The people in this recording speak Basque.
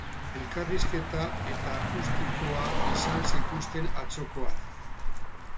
Elkarrizketa eta akustikoa izan zituzten atzokoan.